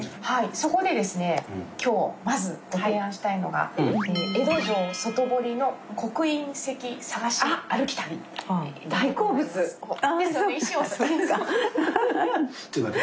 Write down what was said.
そこでですね今日まずご提案したいのが江戸城外堀の刻印石探し歩き旅。ですよね。